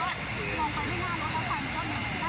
สามสาวหุดลาววิ่ดลดแม่แดงเสือเอาละ